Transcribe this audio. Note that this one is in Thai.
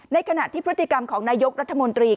ในขณะที่พฤติกรรมของนายกรัฐมนตรี